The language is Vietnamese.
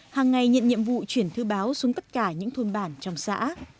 hàng ngày nhận nhiệm vụ chuyển thư báo xuống tất cả những thôn bản trong xã